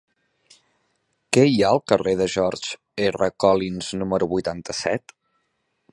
Què hi ha al carrer de George R. Collins número vuitanta-set?